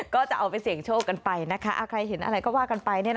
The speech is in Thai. ก็จะเอาไปเสี่ยงโชคกันไปนะคะใครเห็นอะไรก็ว่ากันไป